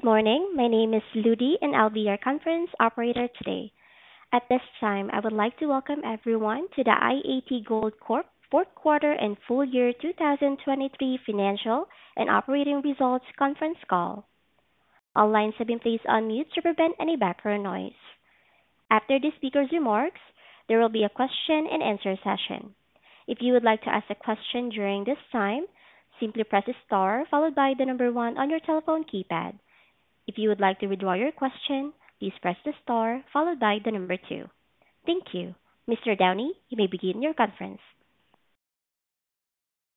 Good morning, my name is Ludi and I'll be your conference operator today. At this time, I would like to welcome everyone to the i-80 Gold Corp 4th Quarter and Full Year 2023 Financial and Operating Results Conference Call. All lines have been placed on mute to prevent any background noise. After the speaker's remarks, there will be a question-and-answer session. If you would like to ask a question during this time, simply press the star followed by the number 1 on your telephone keypad. If you would like to withdraw your question, please press the star followed by the number 2. Thank you. Mr. Downie, you may begin your conference.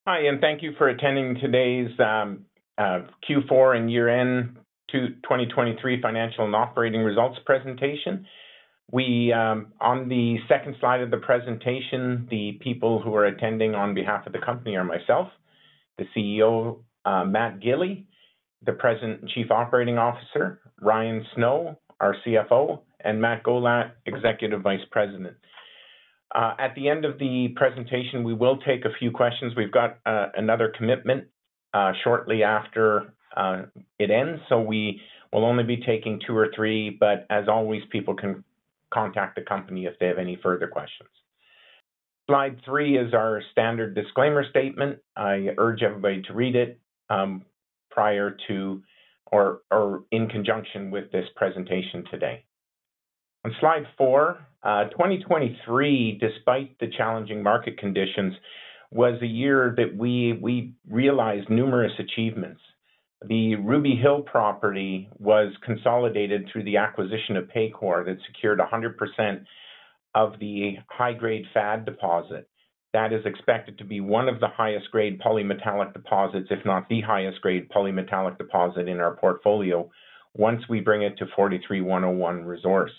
Hi, and thank you for attending today's Q4 and year-end 2023 financial and operating results presentation. On the second slide of the presentation, the people who are attending on behalf of the company are myself, the CEO, Matthew Gili, the President and Chief Operating Officer, Ryan Snow, our CFO, and Matthew Gollat, Executive Vice President. At the end of the presentation, we will take a few questions. We've got another commitment shortly after it ends, so we will only be taking 2 or 3, but as always, people can contact the company if they have any further questions. Slide 3 is our standard disclaimer statement. I urge everybody to read it prior to or in conjunction with this presentation today. On slide 4, 2023, despite the challenging market conditions, was a year that we realized numerous achievements. The Ruby Hill property was consolidated through the acquisition of Paycore that secured 100% of the high-grade FAD deposit. That is expected to be one of the highest-grade polymetallic deposits, if not the highest-grade polymetallic deposit in our portfolio, once we bring it to 43-101 resource.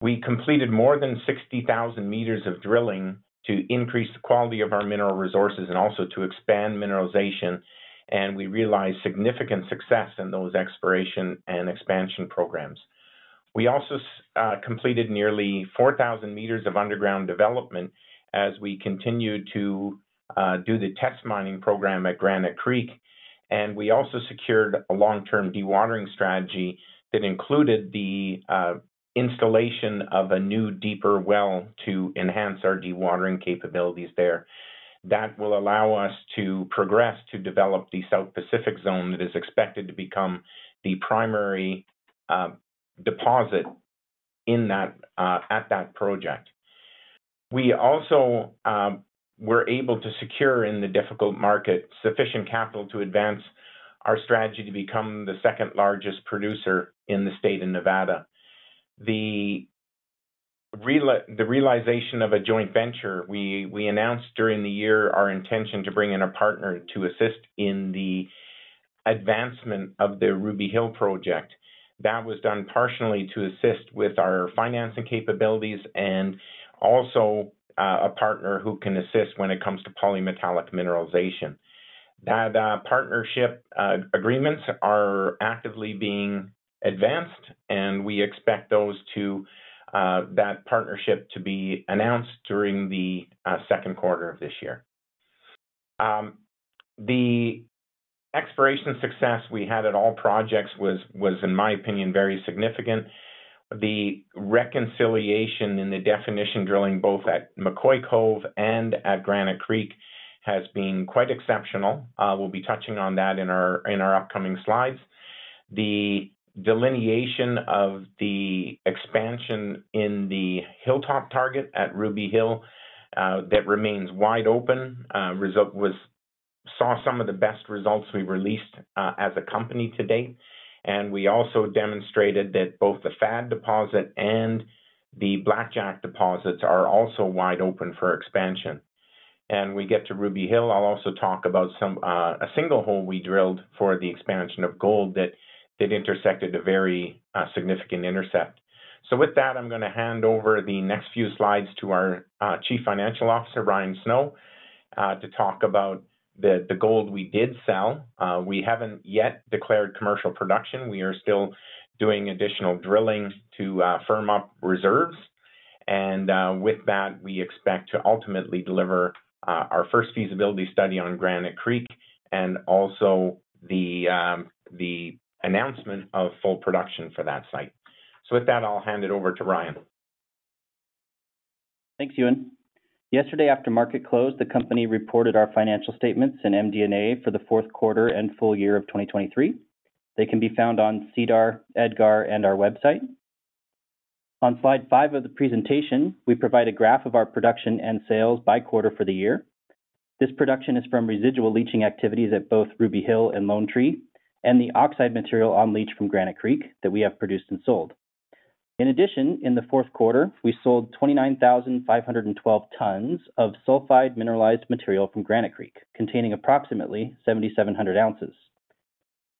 We completed more than 60,000 meters of drilling to increase the quality of our mineral resources and also to expand mineralization, and we realized significant success in those exploration and expansion programs. We also completed nearly 4,000 meters of underground development as we continued to do the test mining program at Granite Creek, and we also secured a long-term dewatering strategy that included the installation of a new deeper well to enhance our dewatering capabilities there. That will allow us to progress to develop the South Pacific Zone that is expected to become the primary deposit in that at that project. We also were able to secure in the difficult market sufficient capital to advance our strategy to become the second-largest producer in the state of Nevada. The realization of a joint venture, we announced during the year our intention to bring in a partner to assist in the advancement of the Ruby Hill project. That was done partially to assist with our financing capabilities and also a partner who can assist when it comes to polymetallic mineralization. That partnership agreements are actively being advanced, and we expect that partnership to be announced during the second quarter of this year. The exploration success we had at all projects was, in my opinion, very significant. The reconciliation in the definition drilling both at McCoy-Cove and at Granite Creek has been quite exceptional. We'll be touching on that in our upcoming slides. The delineation of the expansion in the Hilltop target at Ruby Hill, that remains wide open, results we saw some of the best results we released, as a company to date. We also demonstrated that both the FAD deposit and the Blackjack deposits are also wide open for expansion. And we get to Ruby Hill, I'll also talk about some, a single hole we drilled for the expansion of gold that intersected a very significant intercept. So with that, I'm going to hand over the next few slides to our Chief Financial Officer, Ryan Snow, to talk about the gold we did sell. We haven't yet declared commercial production. We are still doing additional drilling to firm up reserves. And with that, we expect to ultimately deliver our first feasibility study on Granite Creek and also the announcement of full production for that site. With that, I'll hand it over to Ryan. Thanks, Ewan. Yesterday, after market closed, the company reported our financial statements and MD&A for the fourth quarter and full year of 2023. They can be found on SEDAR, EDGAR, and our website. On slide 5 of the presentation, we provide a graph of our production and sales by quarter for the year. This production is from residual leaching activities at both Ruby Hill and Lone Tree, and the oxide material on leach from Granite Creek that we have produced and sold. In addition, in the fourth quarter, we sold 29,512 tons of sulfide mineralized material from Granite Creek, containing approximately 7,700 ounces.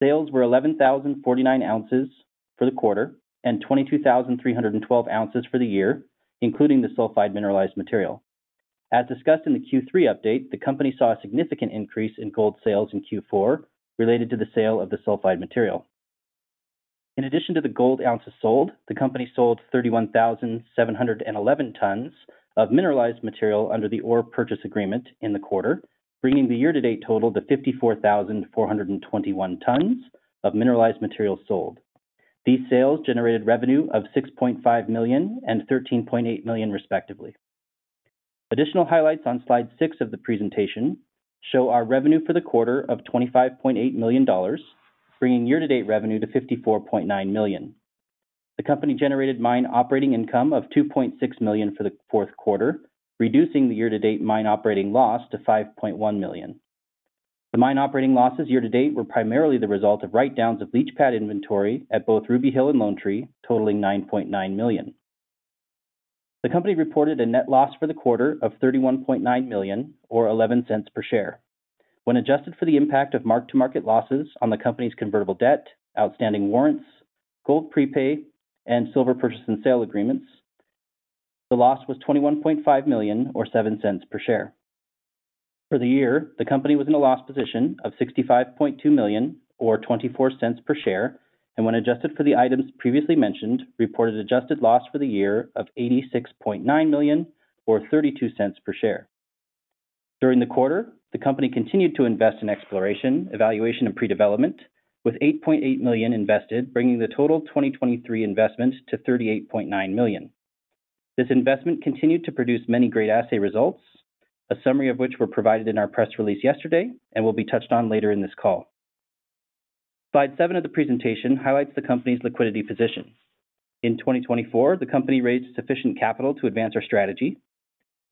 Sales were 11,049 ounces for the quarter and 22,312 ounces for the year, including the sulfide mineralized material. As discussed in the Q3 update, the company saw a significant increase in gold sales in Q4 related to the sale of the sulfide material. In addition to the gold ounces sold, the company sold 31,711 tons of mineralized material under the ore purchase agreement in the quarter, bringing the year-to-date total to 54,421 tons of mineralized material sold. These sales generated revenue of $6.5 million and $13.8 million, respectively. Additional highlights on slide 6 of the presentation show our revenue for the quarter of $25.8 million, bringing year-to-date revenue to $54.9 million. The company generated mine operating income of $2.6 million for the fourth quarter, reducing the year-to-date mine operating loss to $5.1 million. The mine operating losses year-to-date were primarily the result of write-downs of leach pad inventory at both Ruby Hill and Lone Tree, totaling $9.9 million. The company reported a net loss for the quarter of $31.9 million or $0.11 per share. When adjusted for the impact of mark-to-market losses on the company's convertible debt, outstanding warrants, gold prepay, and silver purchase and sale agreements, the loss was $21.5 million or $0.07 per share. For the year, the company was in a loss position of $65.2 million or $0.24 per share, and when adjusted for the items previously mentioned, reported adjusted loss for the year of $86.9 million or $0.32 per share. During the quarter, the company continued to invest in exploration, evaluation, and predevelopment, with $8.8 million invested, bringing the total 2023 investment to $38.9 million. This investment continued to produce many great assay results, a summary of which were provided in our press release yesterday and will be touched on later in this call. Slide 7 of the presentation highlights the company's liquidity position. In 2024, the company raised sufficient capital to advance our strategy.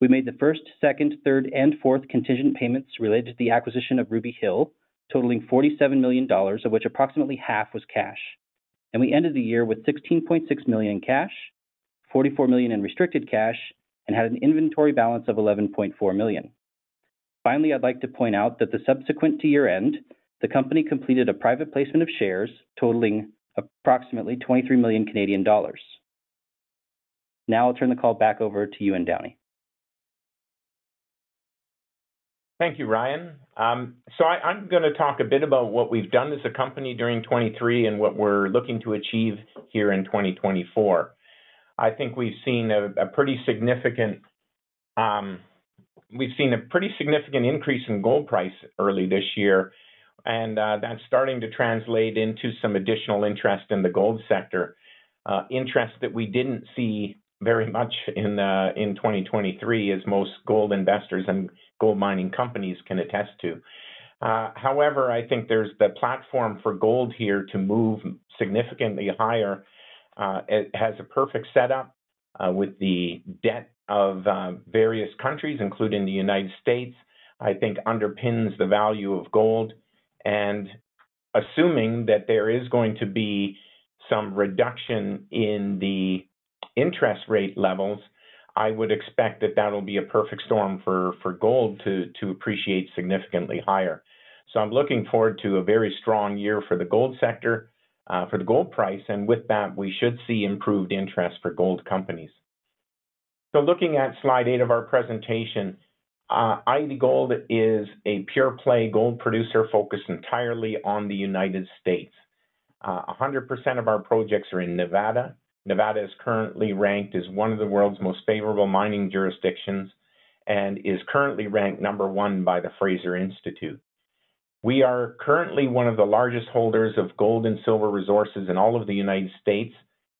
We made the first, second, third, and fourth contingent payments related to the acquisition of Ruby Hill, totaling $47 million, of which approximately half was cash. We ended the year with $16.6 million in cash, $44 million in restricted cash, and had an inventory balance of $11.4 million. Finally, I'd like to point out that subsequent to year-end, the company completed a private placement of shares, totaling approximately 23 million Canadian dollars. Now, I'll turn the call back over to Ewan Downie. Thank you, Ryan. So I'm going to talk a bit about what we've done as a company during 2023 and what we're looking to achieve here in 2024. I think we've seen a pretty significant, we've seen a pretty significant increase in gold price early this year, and that's starting to translate into some additional interest in the gold sector, interest that we didn't see very much in in 2023, as most gold investors and gold mining companies can attest to. However, I think there's the platform for gold here to move significantly higher. It has a perfect setup, with the debt of various countries, including the United States, I think underpins the value of gold. Assuming that there is going to be some reduction in the interest rate levels, I would expect that that'll be a perfect storm for for gold to to appreciate significantly higher. So I'm looking forward to a very strong year for the gold sector, for the gold price, and with that, we should see improved interest for gold companies. So looking at slide 8 of our presentation, i-80 Gold is a pure-play gold producer focused entirely on the United States. 100% of our projects are in Nevada. Nevada is currently ranked as one of the world's most favorable mining jurisdictions and is currently ranked number one by the Fraser Institute. We are currently one of the largest holders of gold and silver resources in all of the United States,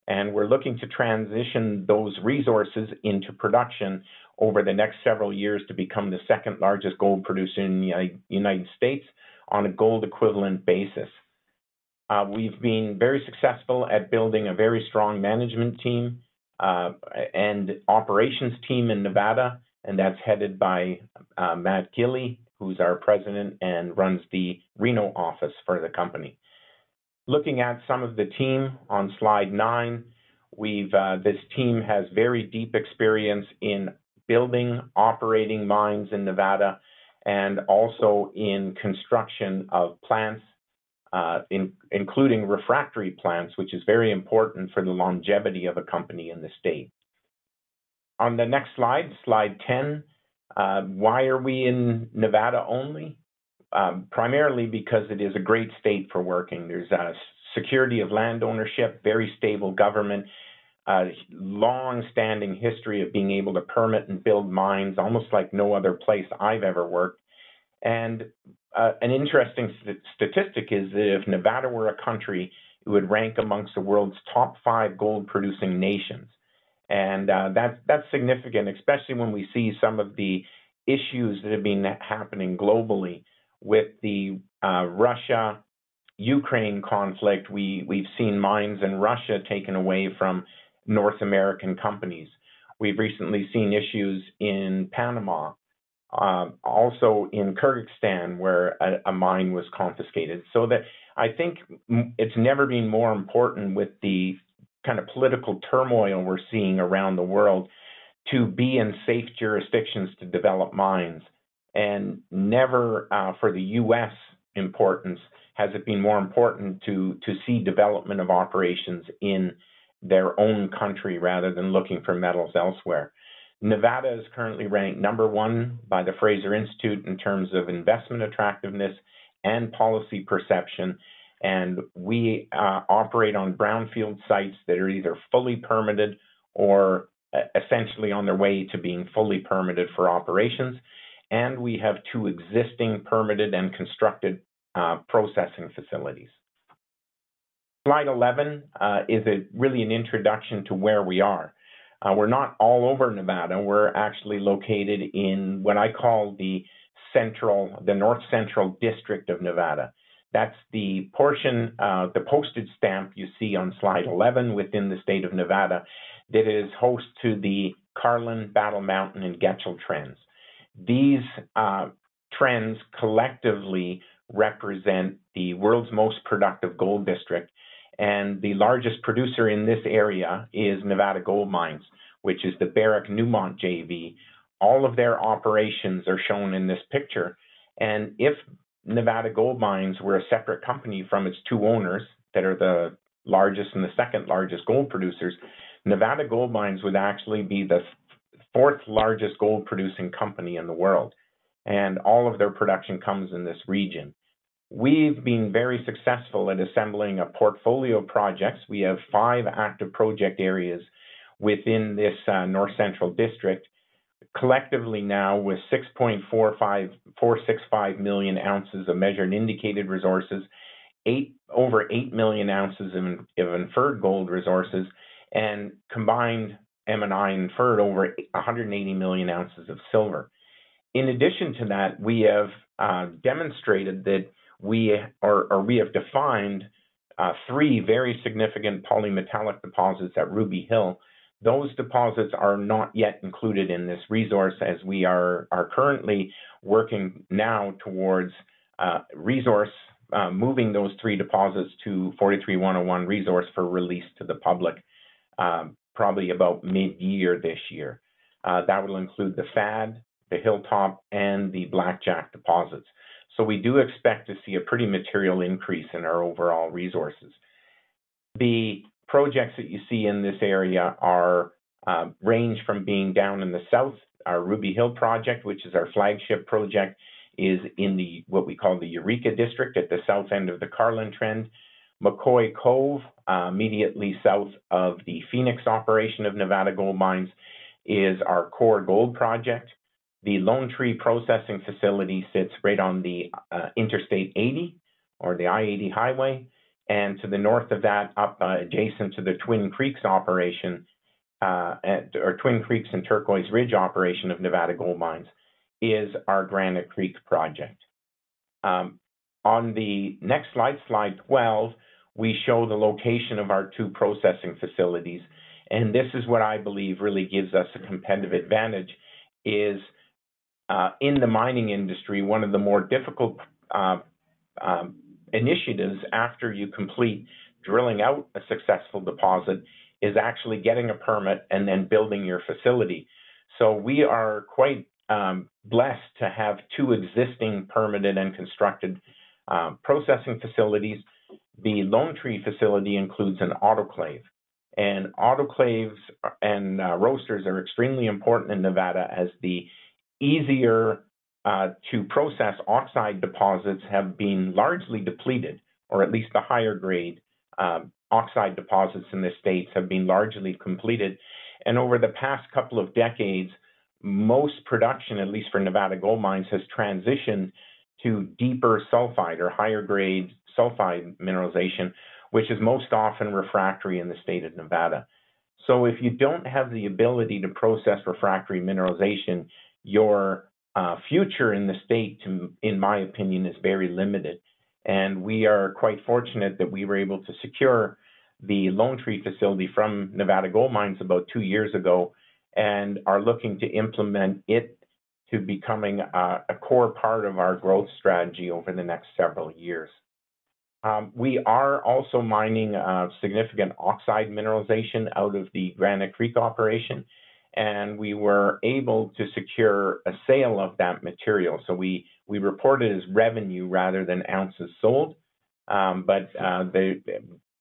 and we're looking to transition those resources into production over the next several years to become the second-largest gold producer in the United States on a gold equivalent basis. We've been very successful at building a very strong management team, and operations team in Nevada, and that's headed by Matt Gili, who's our president and runs the Reno office for the company. Looking at some of the team on slide 9, we've, this team has very deep experience in building operating mines in Nevada and also in construction of plants, including refractory plants, which is very important for the longevity of a company in the state. On the next slide, slide 10, why are we in Nevada only? Primarily because it is a great state for working. There's a security of land ownership, very stable government, long-standing history of being able to permit and build mines almost like no other place I've ever worked. An interesting statistic is that if Nevada were a country, it would rank amongst the world's top 5 gold-producing nations. That's significant, especially when we see some of the issues that have been happening globally with the Russia-Ukraine conflict. We've seen mines in Russia taken away from North American companies. We've recently seen issues in Panama, also in Kyrgyzstan, where a mine was confiscated. So that I think it's never been more important with the kind of political turmoil we're seeing around the world to be in safe jurisdictions to develop mines. And never, for the U.S. importance, has it been more important to see development of operations in their own country rather than looking for metals elsewhere. Nevada is currently ranked number one by the Fraser Institute in terms of investment attractiveness and policy perception. And we operate on brownfield sites that are either fully permitted or essentially on their way to being fully permitted for operations. And we have two existing permitted and constructed processing facilities. Slide 11 is really an introduction to where we are. We're not all over Nevada. We're actually located in what I call the central, the north-central district of Nevada. That's the portion, the postage stamp you see on Slide 11 within the state of Nevada that is host to the Carlin, Battle Mountain, and Getchell Trends. These trends collectively represent the world's most productive gold district, and the largest producer in this area is Nevada Gold Mines, which is the Barrick-Newmont JV. All of their operations are shown in this picture. And if Nevada Gold Mines were a separate company from its two owners that are the largest and the second-largest gold producers, Nevada Gold Mines would actually be the fourth-largest gold-producing company in the world. And all of their production comes in this region. We've been very successful at assembling a portfolio of projects. We have five active project areas within this north-central district, collectively now with 6.45465 million ounces of measured indicated resources, 8.08 million ounces of inferred gold resources, and combined M&I inferred over 180 million ounces of silver. In addition to that, we have demonstrated that we have defined three very significant polymetallic deposits at Ruby Hill. Those deposits are not yet included in this resource as we are currently working now towards moving those three deposits to 43-101 Resource for release to the public, probably about mid-year this year. That will include the FAD, the Hilltop, and the Blackjack deposits. So we do expect to see a pretty material increase in our overall resources. The projects that you see in this area range from being down in the south, our Ruby Hill project, which is our flagship project, is in what we call the Eureka District at the south end of the Carlin Trend. McCoy Cove, immediately south of the Phoenix operation of Nevada Gold Mines, is our core gold project. The Lone Tree processing facility sits right on the Interstate 80 or the I-80 Highway. And to the north of that, up adjacent to the Twin Creeks and Turquoise Ridge operation of Nevada Gold Mines, is our Granite Creek project. On the next slide, slide 12, we show the location of our two processing facilities. This is what I believe really gives us a competitive advantage. In the mining industry, one of the more difficult initiatives after you complete drilling out a successful deposit is actually getting a permit and then building your facility. So we are quite blessed to have two existing permitted and constructed processing facilities. The Lone Tree facility includes an autoclave. Autoclaves and roasters are extremely important in Nevada as the easier to process oxide deposits have been largely depleted, or at least the higher-grade oxide deposits in the states have been largely completed. Over the past couple of decades, most production, at least for Nevada Gold Mines, has transitioned to deeper sulfide or higher-grade sulfide mineralization, which is most often refractory in the state of Nevada. So if you don't have the ability to process refractory mineralization, your future in the state, in my opinion, is very limited. And we are quite fortunate that we were able to secure the Lone Tree facility from Nevada Gold Mines about 2 years ago and are looking to implement it to becoming a core part of our growth strategy over the next several years. We are also mining significant oxide mineralization out of the Granite Creek operation. And we were able to secure a sale of that material. So we reported as revenue rather than ounces sold. But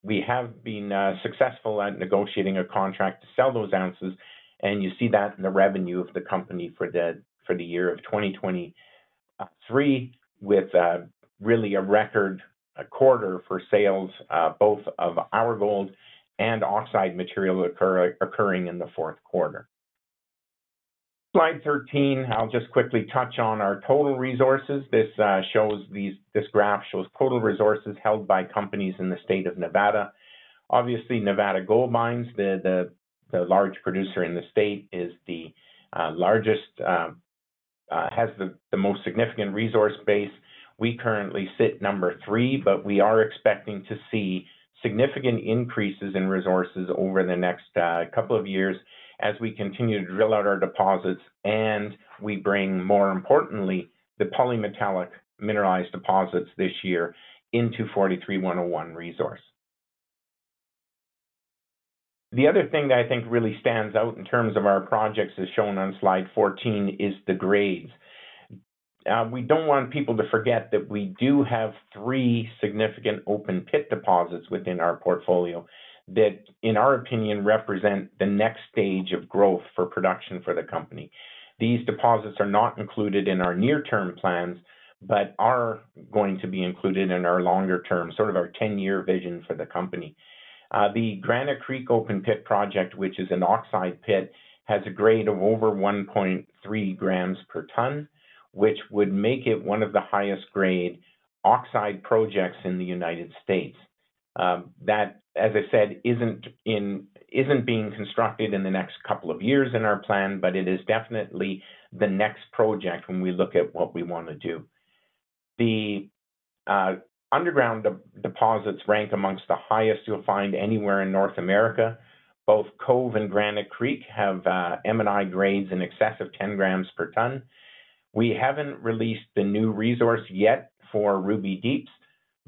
we have been successful at negotiating a contract to sell those ounces. And you see that in the revenue of the company for the year of 2023 with really a record quarter for sales, both of our gold and oxide material occurring in the fourth quarter. Slide 13, I'll just quickly touch on our total resources. This graph shows total resources held by companies in the state of Nevada. Obviously, Nevada Gold Mines, the large producer in the state, is the largest, has the most significant resource base. We currently sit number 3, but we are expecting to see significant increases in resources over the next couple of years as we continue to drill out our deposits and we bring, more importantly, the polymetallic mineralized deposits this year into 43-101 Resource. The other thing that I think really stands out in terms of our projects, as shown on slide 14, is the grades. We don't want people to forget that we do have 3 significant open-pit deposits within our portfolio that, in our opinion, represent the next stage of growth for production for the company. These deposits are not included in our near-term plans, but are going to be included in our longer-term, sort of our 10-year vision for the company. The Granite Creek open-pit project, which is an oxide pit, has a grade of over 1.3 grams per ton, which would make it one of the highest-grade oxide projects in the United States. That, as I said, isn't being constructed in the next couple of years in our plan, but it is definitely the next project when we look at what we want to do. The underground deposits rank amongst the highest you'll find anywhere in North America. Both Cove and Granite Creek have M&I grades in excess of 10 grams per ton. We haven't released the new resource yet for Ruby Deeps,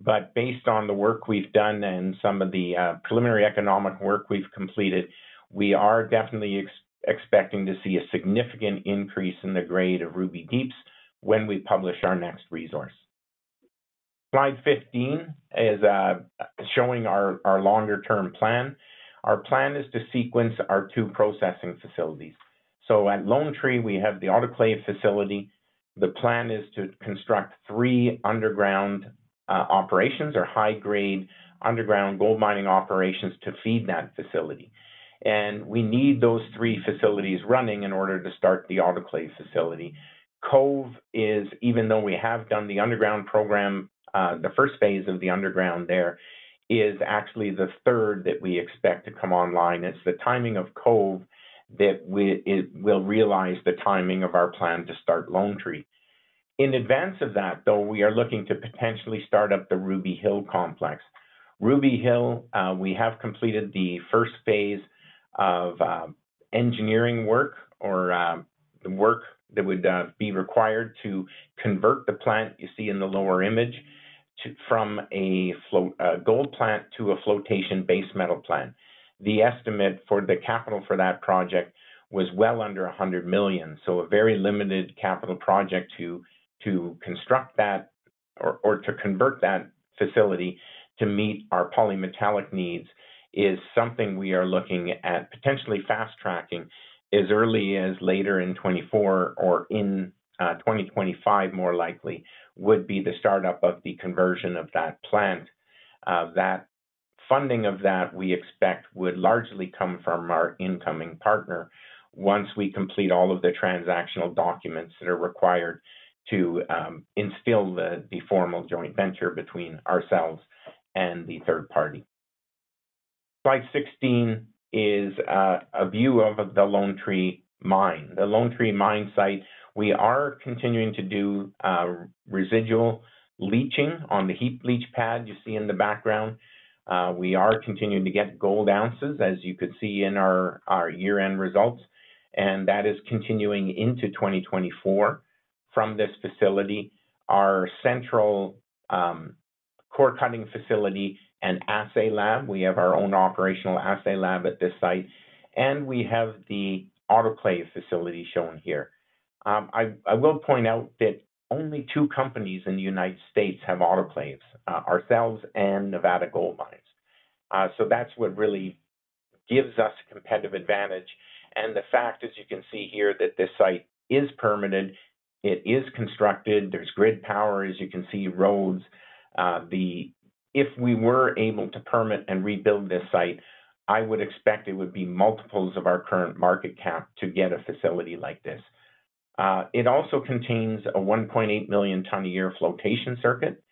but based on the work we've done and some of the preliminary economic work we've completed, we are definitely expecting to see a significant increase in the grade of Ruby Deeps when we publish our next resource. Slide 15 is showing our longer-term plan. Our plan is to sequence our two processing facilities. So at Lone Tree, we have the autoclave facility. The plan is to construct three underground operations or high-grade underground gold mining operations to feed that facility. And we need those three facilities running in order to start the autoclave facility. Cove is, even though we have done the underground program, the first phase of the underground there is actually the third that we expect to come online. It's the timing of McCoy-Cove that we it will realize the timing of our plan to start Lone Tree. In advance of that, though, we are looking to potentially start up the Ruby Hill complex. Ruby Hill, we have completed the first phase of engineering work or the work that would be required to convert the plant you see in the lower image to from a float gold plant to a flotation base metal plant. The estimate for the capital for that project was well under $100 million. So a very limited capital project to construct that or to convert that facility to meet our polymetallic needs is something we are looking at potentially fast-tracking as early as later in 2024 or in 2025, more likely, would be the startup of the conversion of that plant. that funding of that we expect would largely come from our incoming partner once we complete all of the transactional documents that are required to establish the formal joint venture between ourselves and the third party. Slide 16 is a view of the Lone Tree mine. The Lone Tree mine site, we are continuing to do residual leaching on the heap leach pad you see in the background. We are continuing to get gold ounces, as you could see in our year-end results. And that is continuing into 2024 from this facility, our central core-cutting facility and assay lab. We have our own operational assay lab at this site. And we have the autoclave facility shown here. I will point out that only 2 companies in the United States have autoclaves, ourselves and Nevada Gold Mines. So that's what really gives us a competitive advantage. The fact is, you can see here that this site is permitted. It is constructed. There's grid power, as you can see, roads. If we were able to permit and rebuild this site, I would expect it would be multiples of our current market cap to get a facility like this. It also contains a 1.8 million ton a year flotation circuit.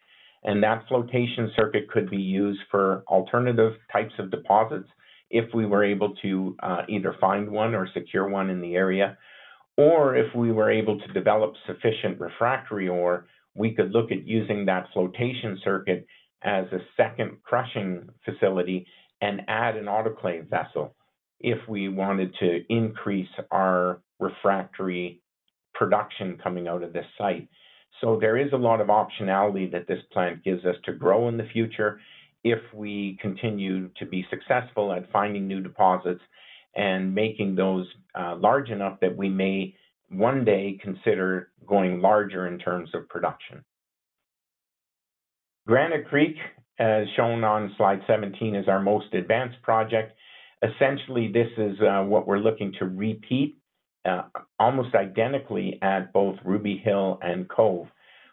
That flotation circuit could be used for alternative types of deposits if we were able to, either find one or secure one in the area. Or if we were able to develop sufficient refractory ore, we could look at using that flotation circuit as a second crushing facility and add an autoclave vessel if we wanted to increase our refractory production coming out of this site. So there is a lot of optionality that this plant gives us to grow in the future if we continue to be successful at finding new deposits and making those large enough that we may one day consider going larger in terms of production. Granite Creek, as shown on slide 17, is our most advanced project. Essentially, this is what we're looking to repeat almost identically at both Ruby Hill and Cove,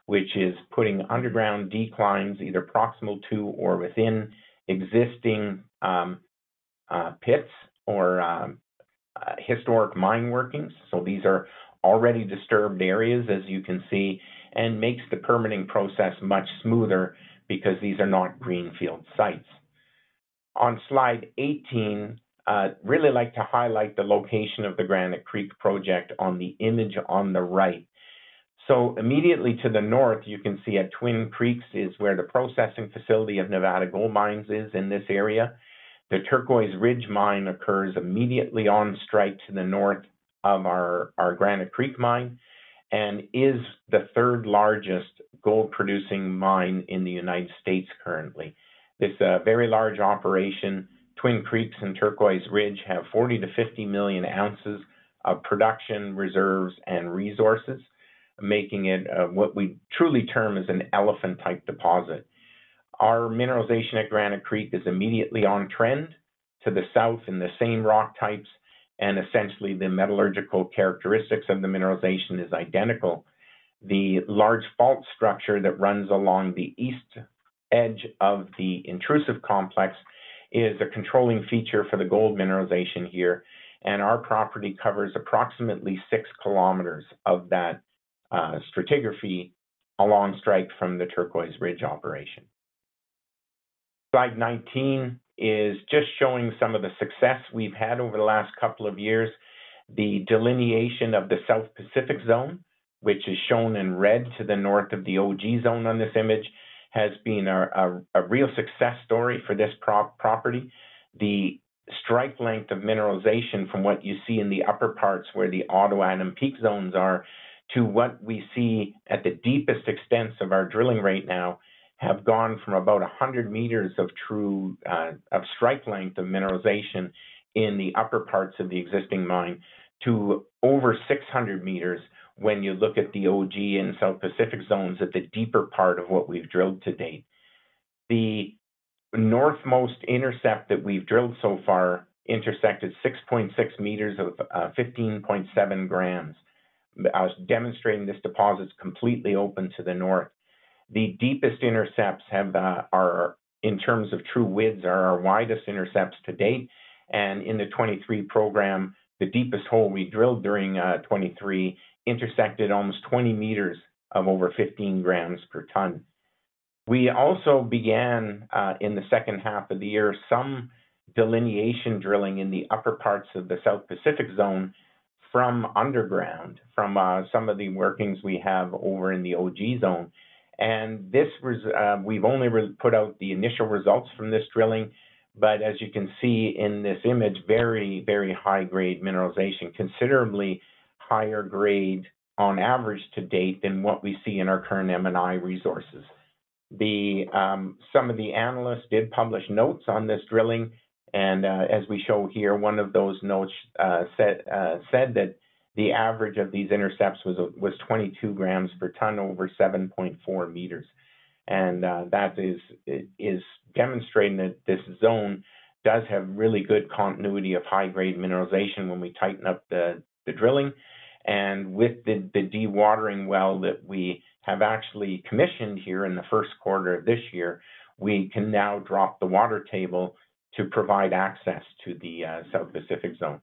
which is putting underground declines either proximal to or within existing pits or historic mine workings. So these are already disturbed areas, as you can see, and makes the permitting process much smoother because these are not greenfield sites. On slide 18, really like to highlight the location of the Granite Creek project on the image on the right. So immediately to the north, you can see at Twin Creeks is where the processing facility of Nevada Gold Mines is in this area. The Turquoise Ridge mine occurs immediately on strike to the north of our, our Granite Creek mine and is the third largest gold-producing mine in the United States currently. This, very large operation, Twin Creeks and Turquoise Ridge, have 40-50 million ounces of production reserves and resources, making it, what we truly term as an elephant-type deposit. Our mineralization at Granite Creek is immediately on trend to the south in the same rock types. Essentially, the metallurgical characteristics of the mineralization are identical. The large fault structure that runs along the east edge of the intrusive complex is a controlling feature for the gold mineralization here. Our property covers approximately 6 kilometers of that, stratigraphy along strike from the Turquoise Ridge operation. Slide 19 is just showing some of the success we've had over the last couple of years. The delineation of the South Pacific Zone, which is shown in red to the north of the Ogee Zone on this image, has been a real success story for this property. The strike length of mineralization from what you see in the upper parts where the Otto, Adam peak zones are to what we see at the deepest extents of our drilling right now have gone from about 100 meters of true strike length of mineralization in the upper parts of the existing mine to over 600 meters when you look at the OG and South Pacific Zones at the deeper part of what we've drilled to date. The northmost intercept that we've drilled so far intersected 6.6 meters of 15.7 grams, demonstrating this deposit's completely open to the north. The deepest intercepts, in terms of true widths, are our widest intercepts to date. In the 2023 program, the deepest hole we drilled during 2023 intersected almost 20 meters of over 15 grams per ton. We also began, in the second half of the year, some delineation drilling in the upper parts of the South Pacific Zone from underground, from some of the workings we have over in the Ogee Zone. And this, we've only put out the initial results from this drilling. But as you can see in this image, very, very high-grade mineralization, considerably higher grade on average to date than what we see in our current M&I resources. Some of the analysts did publish notes on this drilling. As we show here, one of those notes said that the average of these intercepts was 22 grams per ton over 7.4 meters. That is demonstrating that this zone does have really good continuity of high-grade mineralization when we tighten up the drilling. With the dewatering well that we have actually commissioned here in the first quarter of this year, we can now drop the water table to provide access to the South Pacific Zone.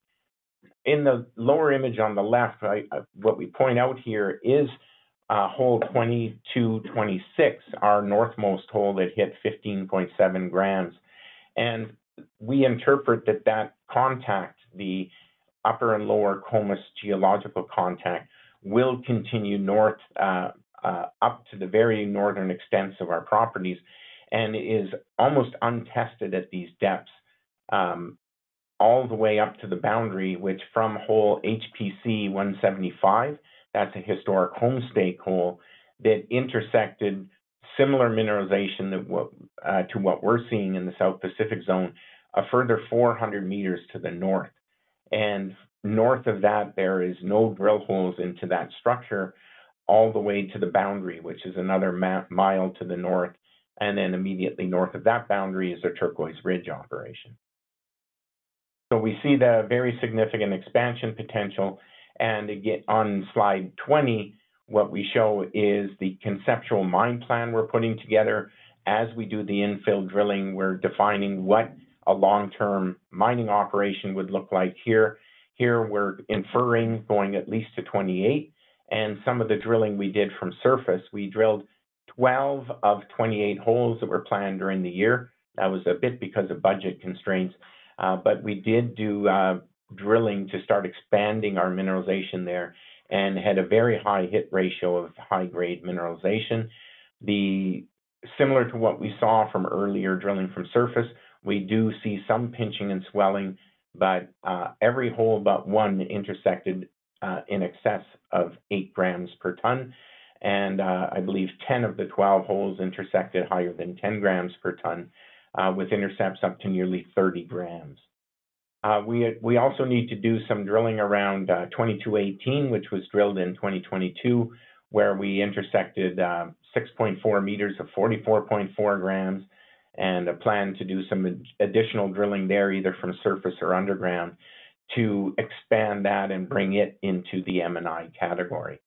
In the lower image on the left, what we point out here is hole 2226, our northmost hole that hit 15.7 grams. We interpret that that contact, the upper and lower contacts geological contact, will continue north, up to the very northern extents of our properties and is almost untested at these depths, all the way up to the boundary, which from hole HPC 175, that's a historic Homestake hole that intersected similar mineralization to what we're seeing in the South Pacific Zone, a further 400 meters to the north. North of that, there are no drill holes into that structure all the way to the boundary, which is another mile to the north. Then immediately north of that boundary is the Turquoise Ridge operation. So we see the very significant expansion potential. And again, on slide 20, what we show is the conceptual mine plan we're putting together. As we do the infill drilling, we're defining what a long-term mining operation would look like here. Here, we're inferring going at least to 28. And some of the drilling we did from surface, we drilled 12 of 28 holes that were planned during the year. That was a bit because of budget constraints. But we did do drilling to start expanding our mineralization there and had a very high hit ratio of high-grade mineralization. It's similar to what we saw from earlier drilling from surface; we do see some pinching and swelling, but every hole but one intersected in excess of 8 grams per ton. And I believe 10 of the 12 holes intersected higher than 10 grams per ton, with intercepts up to nearly 30 grams. We also need to do some drilling around 2218, which was drilled in 2022, where we intersected 6.4 meters of 44.4 grams and plan to do some additional drilling there, either from surface or underground, to expand that and bring it into the M&I category.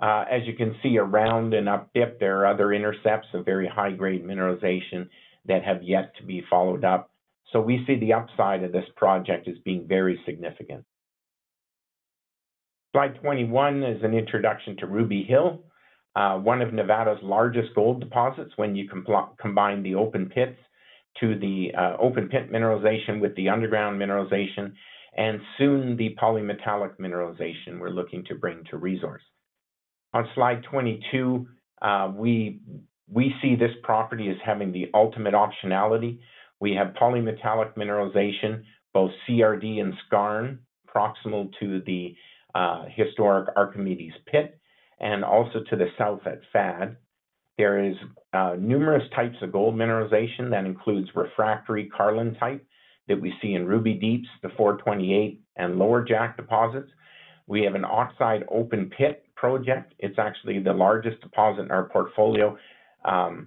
As you can see, around an up dip, there are other intercepts of very high-grade mineralization that have yet to be followed up. So we see the upside of this project as being very significant. Slide 21 is an introduction to Ruby Hill, one of Nevada's largest gold deposits when you combine the open pit mineralization with the underground mineralization and soon the polymetallic mineralization we're looking to bring to resource. On slide 22, we see this property as having the ultimate optionality. We have polymetallic mineralization, both CRD and skarn, proximal to the historic Archimedes pit and also to the south at FAD. There are numerous types of gold mineralization. That includes refractory Carlin type that we see in Ruby Deeps, the 428, and Lower Jack deposits. We have an oxide open pit project. It's actually the largest deposit in our portfolio,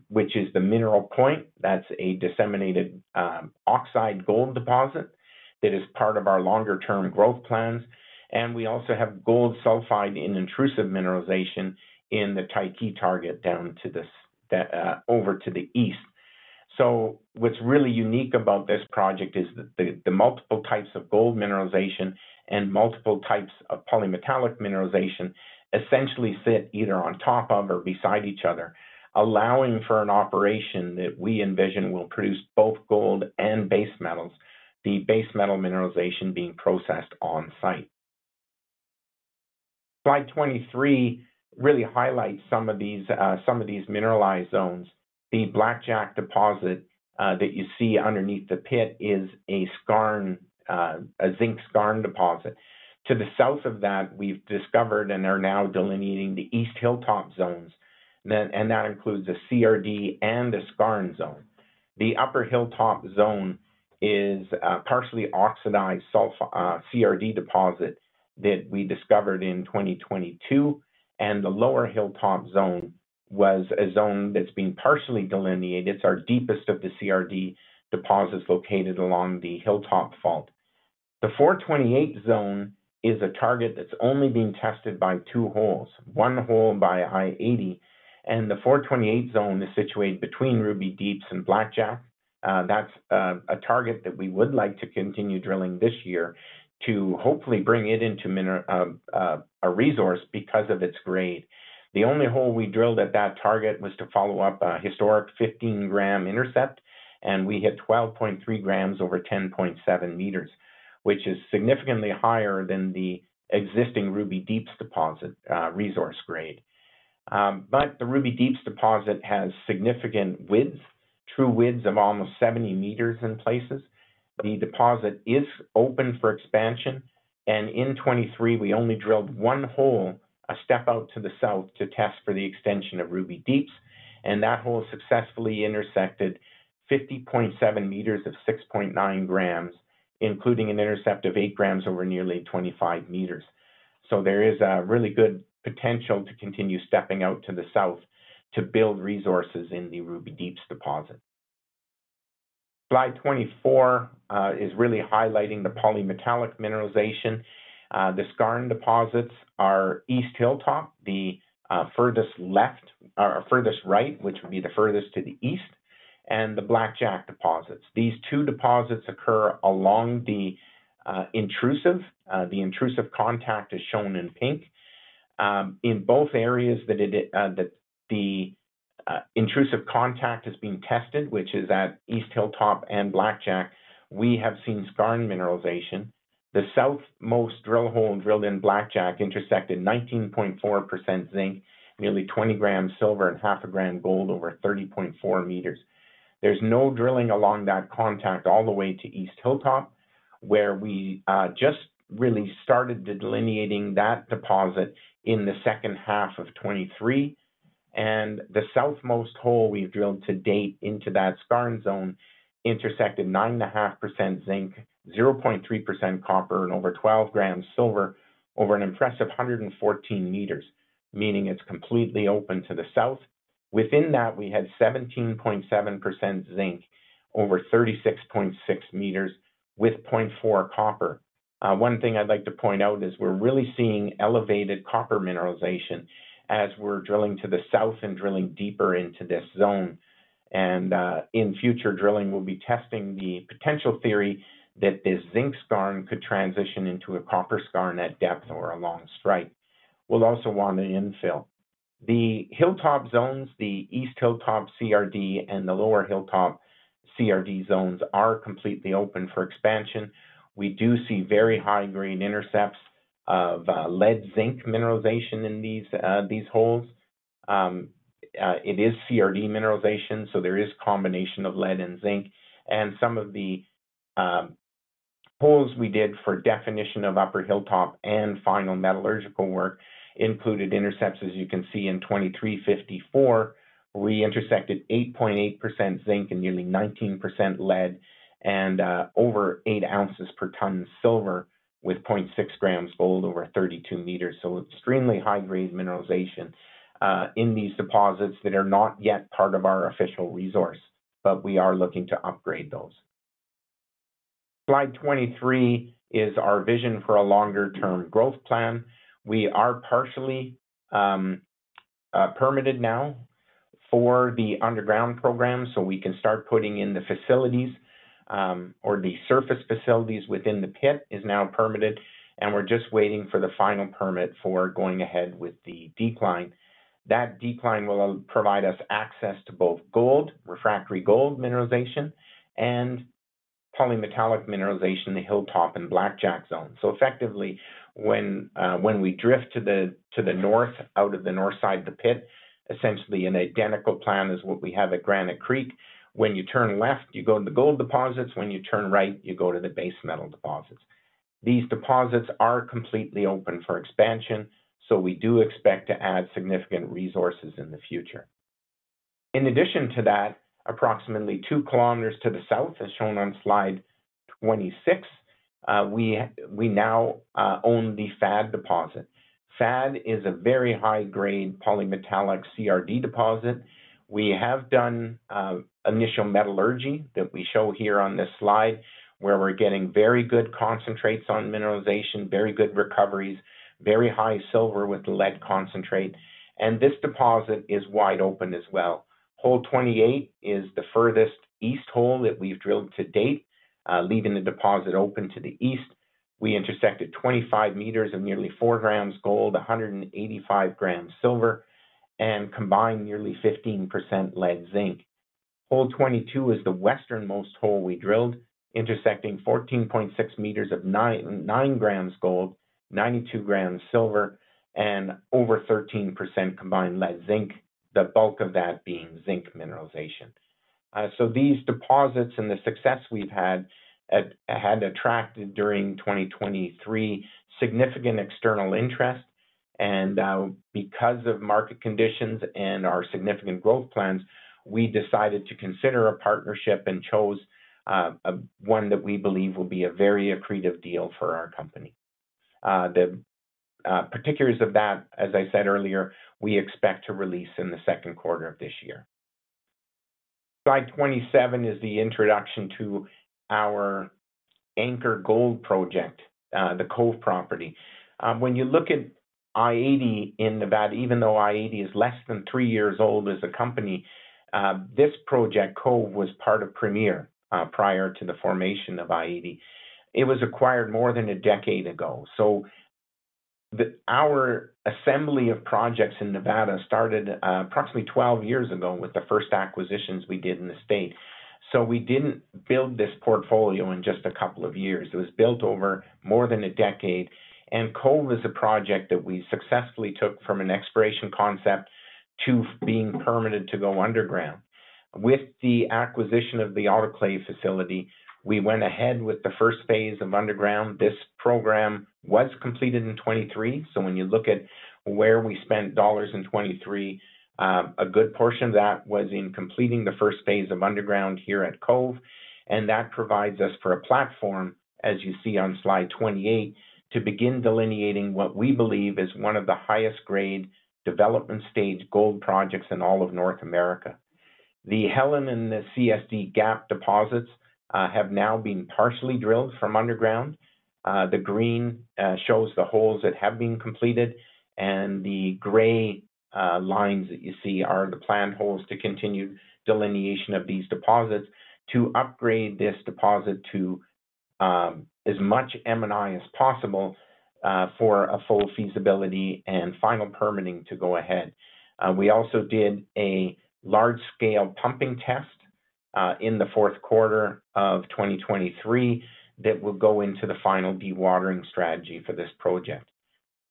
which is the Mineral Point. That's a disseminated, oxide gold deposit that is part of our longer-term growth plans. And we also have gold sulfide in intrusive mineralization in the Tyche target down to this, over to the east. So what's really unique about this project is that the multiple types of gold mineralization and multiple types of polymetallic mineralization essentially sit either on top of or beside each other, allowing for an operation that we envision will produce both gold and base metals, the base metal mineralization being processed on site. Slide 23 really highlights some of these mineralized zones. The Blackjack deposit that you see underneath the pit is a skarn, a zinc skarn deposit. To the south of that, we've discovered and are now delineating the East Hilltop Zones. Then, and that includes a CRD and a skarn zone. The upper Hilltop Zone is a partially oxidized sulfide CRD deposit that we discovered in 2022. And the lower Hilltop Zone was a zone that's being partially delineated. It's our deepest of the CRD deposits located along the Hilltop Fault. The 428 Zone is a target that's only being tested by two holes, one hole by i-80. The 428 Zone is situated between Ruby Deeps and Blackjack. That's a target that we would like to continue drilling this year to hopefully bring it into mineral resource because of its grade. The only hole we drilled at that target was to follow up a historic 15-gram intercept. We hit 12.3 grams over 10.7 meters, which is significantly higher than the existing Ruby Deeps deposit resource grade. But the Ruby Deeps deposit has significant widths, true widths of almost 70 meters in places. The deposit is open for expansion. In 2023, we only drilled one hole, a step out to the south to test for the extension of Ruby Deeps. That hole successfully intersected 50.7 meters of 6.9 grams, including an intercept of 8 grams over nearly 25 meters. So there is a really good potential to continue stepping out to the south to build resources in the Ruby Deeps deposit. Slide 24 is really highlighting the polymetallic mineralization. The skarn deposits are East Hilltop, the furthest left, or furthest right, which would be the furthest to the east, and the Blackjack deposits. These two deposits occur along the intrusive contact, which is shown in pink. In both areas where the intrusive contact is being tested, which is at East Hilltop and Blackjack, we have seen skarn mineralization. The southernmost drill hole drilled in Blackjack intersected 19.4% zinc, nearly 20 grams silver, and 0.5 gram gold over 30.4 meters. There's no drilling along that contact all the way to East Hilltop, where we just really started delineating that deposit in the second half of 2023. And the southernmost hole we've drilled to date into that skarn zone intersected 9.5% zinc, 0.3% copper, and over 12 grams silver over an impressive 114 meters, meaning it's completely open to the south. Within that, we had 17.7% zinc over 36.6 meters with 0.4 copper. One thing I'd like to point out is we're really seeing elevated copper mineralization as we're drilling to the south and drilling deeper into this zone. And in future drilling, we'll be testing the potential theory that this zinc skarn could transition into a copper skarn at depth or along strike. We'll also want an infill. The Hilltop Zones, the East Hilltop CRD and the lower Hilltop CRD Zones are completely open for expansion. We do see very high-grade intercepts of lead-zinc mineralization in these, these holes. It is CRD mineralization, so there is combination of lead and zinc. And some of the holes we did for definition of upper Hilltop and final metallurgical work included intercepts, as you can see in 2354. We intersected 8.8% zinc and nearly 19% lead and over 8 ounces per ton silver with 0.6 grams gold over 32 meters. So extremely high-grade mineralization in these deposits that are not yet part of our official resource, but we are looking to upgrade those. Slide 23 is our vision for a longer-term growth plan. We are partially permitted now for the underground program, so we can start putting in the facilities, or the surface facilities within the pit is now permitted. We're just waiting for the final permit for going ahead with the decline. That decline will provide us access to both gold, refractory gold mineralization, and polymetallic mineralization, the Hilltop and Blackjack Zone. So effectively, when we drift to the north out of the north side of the pit, essentially an identical plan is what we have at Granite Creek. When you turn left, you go to the gold deposits. When you turn right, you go to the base metal deposits. These deposits are completely open for expansion. So we do expect to add significant resources in the future. In addition to that, approximately two kilometers to the south as shown on slide 26, we now own the FAD deposit. FAD is a very high-grade polymetallic CRD deposit. We have done initial metallurgy that we show here on this slide, where we're getting very good concentrates on mineralization, very good recoveries, very high silver with lead concentrate. This deposit is wide open as well. Hole 28 is the furthest east hole that we've drilled to date, leaving the deposit open to the east. We intersected 25 meters of nearly 4 grams gold, 185 grams silver, and combined nearly 15% lead-zinc. Hole 22 is the westernmost hole we drilled, intersecting 14.6 meters of 9.9 grams gold, 92 grams silver, and over 13% combined lead-zinc, the bulk of that being zinc mineralization. So these deposits and the success we've had attracted during 2023 significant external interest. And, because of market conditions and our significant growth plans, we decided to consider a partnership and chose, one that we believe will be a very accretive deal for our company. The particulars of that, as I said earlier, we expect to release in the second quarter of this year. Slide 27 is the introduction to our Anchor Gold project, the Cove property. When you look at i-80 in Nevada, even though i-80 is less than three years old as a company, this project, Cove, was part of Premier, prior to the formation of i-80. It was acquired more than a decade ago. So, our assembly of projects in Nevada started approximately 12 years ago with the first acquisitions we did in the state. So we didn't build this portfolio in just a couple of years. It was built over more than a decade. And Cove is a project that we successfully took from an exploration concept to being permitted to go underground. With the acquisition of the autoclave facility, we went ahead with the first phase of underground. This program was completed in 2023. So when you look at where we spent dollars in 2023, a good portion of that was in completing the first phase of underground here at Cove. And that provides us for a platform, as you see on slide 28, to begin delineating what we believe is one of the highest-grade development stage gold projects in all of North America. The Helen and the CSD, Gap deposits have now been partially drilled from underground. The green shows the holes that have been completed. And the gray lines that you see are the planned holes to continue delineation of these deposits to upgrade this deposit to as much M&I as possible, for a full feasibility and final permitting to go ahead. We also did a large-scale pumping test in the fourth quarter of 2023 that will go into the final dewatering strategy for this project.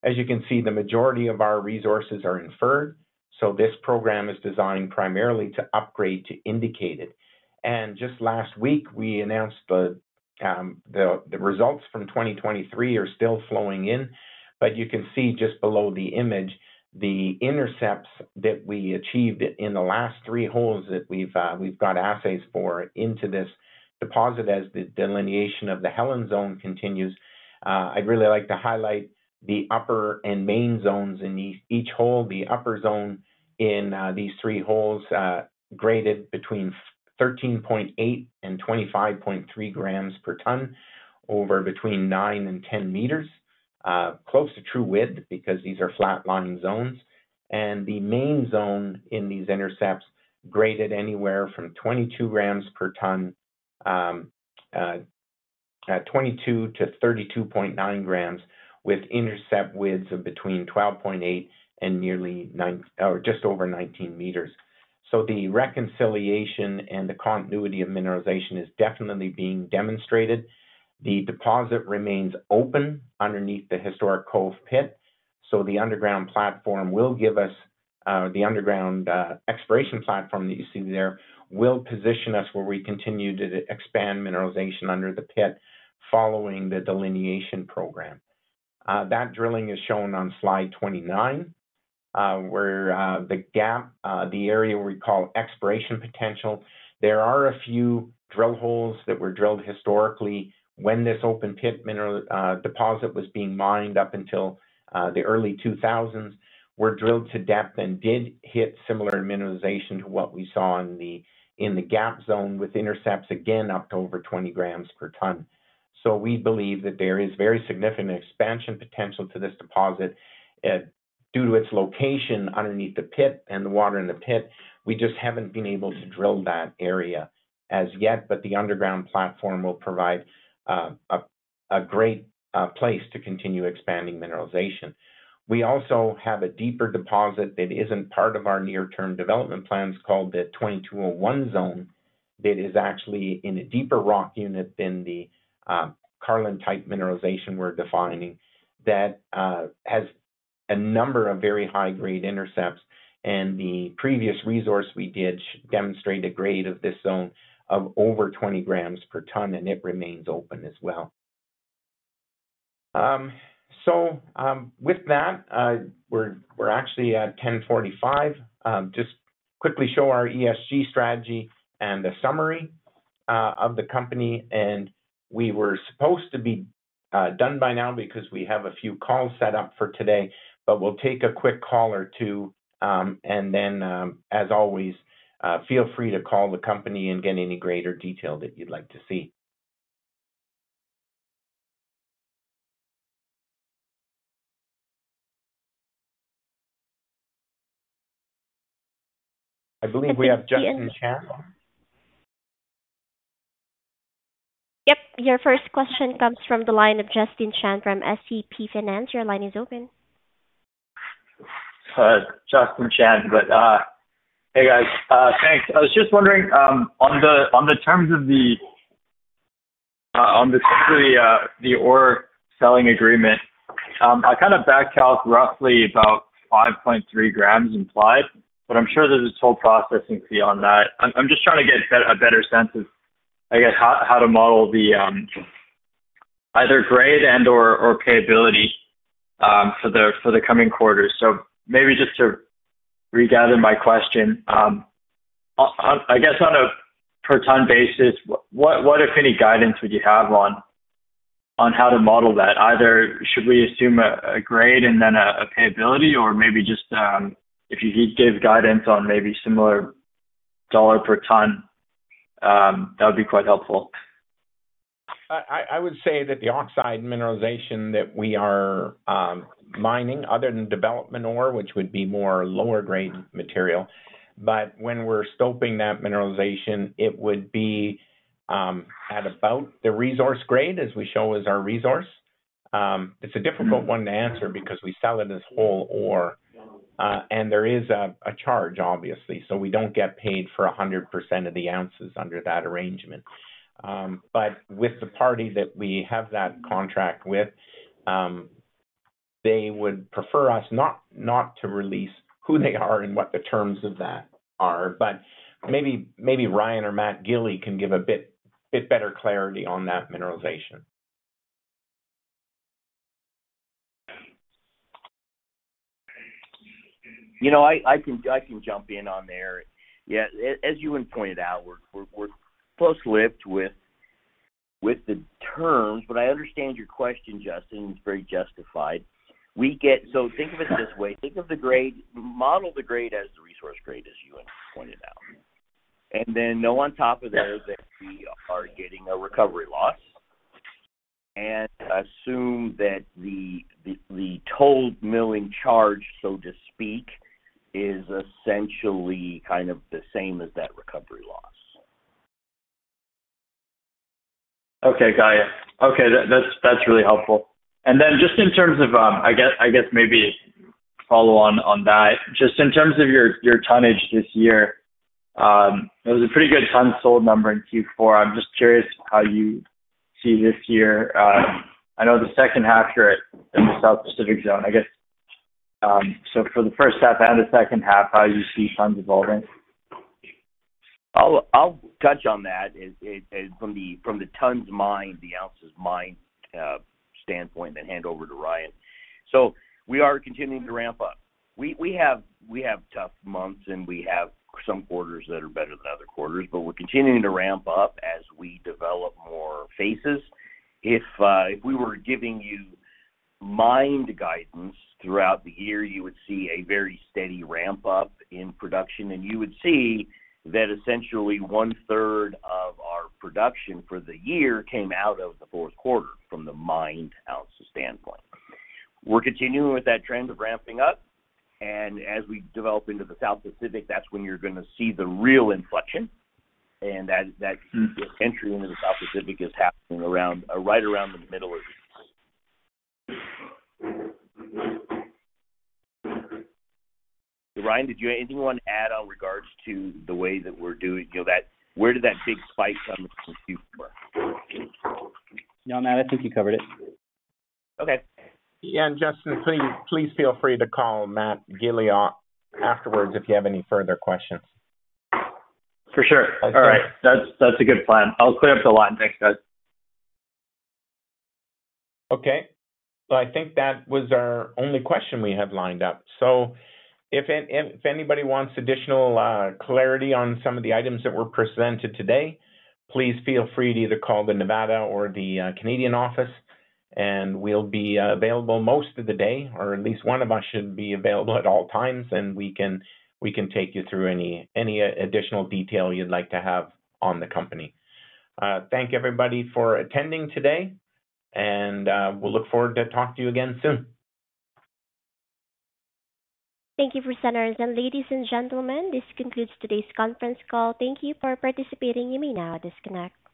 As you can see, the majority of our resources are Inferred. So this program is designed primarily to upgrade to Indicated. Just last week, we announced the results from 2023 are still flowing in. But you can see just below the image, the intercepts that we achieved in the last three holes that we've got assays for into this deposit as the delineation of the Helen Zone continues. I'd really like to highlight the upper and main zones in each hole, the upper zone in these three holes graded between 13.8-25.3 grams per ton over 9-10 meters, close to true width because these are flat-lying zones. The main zone in these intercepts graded anywhere from 22-32.9 grams per ton with intercept widths of between 12.8 and nearly 19 or just over 19 meters. So the reconciliation and the continuity of mineralization is definitely being demonstrated. The deposit remains open underneath the historic Cove pit. So the underground exploration platform that you see there will position us where we continue to expand mineralization under the pit following the delineation program. That drilling is shown on slide 29, where the GAP, the area we call exploration potential. There are a few drill holes that were drilled historically when this open pit mineral deposit was being mined up until the early 2000s. Were drilled to depth and did hit similar mineralization to what we saw in the GAP zone with intercepts again up to over 20 grams per ton. So we believe that there is very significant expansion potential to this deposit, due to its location underneath the pit and the water in the pit. We just haven't been able to drill that area as yet, but the underground platform will provide a great place to continue expanding mineralization. We also have a deeper deposit that isn't part of our near-term development plans called the 2201 Zone. That is actually in a deeper rock unit than the Carlin-type mineralization we're defining that has a number of very high-grade intercepts. And the previous resource we did demonstrate a grade of this zone of over 20 grams per ton, and it remains open as well. So, with that, we're actually at 10:45 A.M. Just quickly show our ESG strategy and a summary of the company. And we were supposed to be done by now because we have a few calls set up for today. But we'll take a quick call or two, and then, as always, feel free to call the company and get any greater detail that you'd like to see.I believe we have Justin Chan. Yep, your first question comes from the line of Justin Chan from SCP Finance. Your line is open. Justin Chan, but, hey guys, thanks. I was just wondering, on the terms of the ore selling agreement, I kind of backcalculated roughly about 5.3 grams implied, but I'm sure there's a toll processing fee on that. I'm just trying to get a better sense of, I guess, how to model the either grade and/or payability, for the coming quarters. So maybe just to regather my question, on, I guess on a per-ton basis, what, if any, guidance would you have on how to model that? Either should we assume a grade and then a payability, or maybe just, if you could give guidance on maybe similar $ per ton, that would be quite helpful. I would say that the oxide mineralization that we are mining, other than development ore, which would be more lower-grade material, but when we're scoping that mineralization, it would be at about the resource grade as we show as our resource. It's a difficult one to answer because we sell it as whole ore, and there is a charge, obviously, so we don't get paid for 100% of the ounces under that arrangement. But with the party that we have that contract with, they would prefer us not to release who they are and what the terms of that are. But maybe Ryan or Matt Gili can give a bit better clarity on that mineralization. You know, I can jump in on there. Yeah, as you had pointed out, we're close-lipped with the terms, but I understand your question, Justin, and it's very justified. We get so think of it this way. Think of the grade, model the grade as the resource grade, as you had pointed out. And then know on top of there that we are getting a recovery loss. And assume that the toll milling charge, so to speak, is essentially kind of the same as that recovery loss. Okay, got it. Okay, that's really helpful. Just in terms of, I guess maybe follow on that, just in terms of your tonnage this year, it was a pretty good tons sold number in Q4. I'm just curious how you see this year. I know the second half you're at in the South Pacific Zone, I guess. So for the first half and the second half, how you see tons evolving? I'll touch on that from the tons mined, the ounces mined standpoint and then hand over to Ryan. So we are continuing to ramp up. We have tough months and we have some quarters that are better than other quarters, but we're continuing to ramp up as we develop more phases. If we were giving you mined guidance throughout the year, you would see a very steady ramp up in production. And you would see that essentially one-third of our production for the year came out of the fourth quarter from the mined ounces standpoint. We're continuing with that trend of ramping up. And as we develop into the South Pacific, that's when you're going to see the real inflection. And that entry into the South Pacific is happening around, right around the middle of the week. Ryan, did you have anything you want to add on regards to the way that we're doing, you know, that where did that big spike come from Q4? No, Matt, I think you covered it. Okay. Yeah, and Justin, please, please feel free to call Matt Gili afterwards if you have any further questions. For sure. All right. That's a good plan. I'll clear up the lot. Thanks, guys. Okay. So I think that was our only question we had lined up. So if anybody wants additional clarity on some of the items that were presented today, please feel free to either call the Nevada or the Canadian office. And we'll be available most of the day, or at least one of us should be available at all times. And we can take you through any additional detail you'd like to have on the company. Thank everybody for attending today. And we'll look forward to talking to you again soon. Thank you, presenters. And ladies and gentlemen, this concludes today's conference call. Thank you for participating. You may now disconnect.